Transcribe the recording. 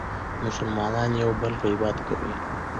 مسلمانان یو بل غیبت کوي.